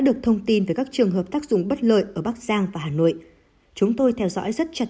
được thông tin về các trường hợp tác dùng bất lợi ở bắc giang và hà nội chúng tôi theo dõi rất chặt